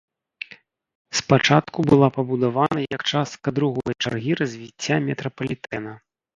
Спачатку была пабудавана як частка другой чаргі развіцця метрапалітэна.